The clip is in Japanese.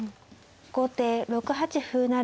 後手６八歩成。